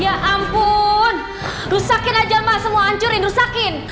ya ampun rusakin aja mbak semua hancurin rusakin